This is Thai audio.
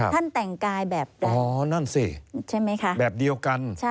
ท่านแต่งกายแบบเดียวกัน